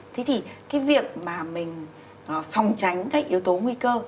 thế thì cái việc mà mình phòng tránh các yếu tố nguy cơ